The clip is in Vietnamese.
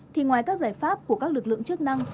thì ngoài các giải pháp của các lực lượng chức năng